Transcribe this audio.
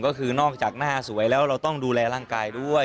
ก็คือนอกจากหน้าสวยแล้วเราต้องดูแลร่างกายด้วย